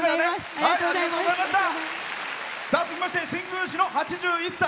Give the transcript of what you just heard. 続きまして新宮市の８１歳。